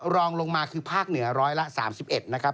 รองลงมาคือภาคเหนือ๑๓๑นะครับผม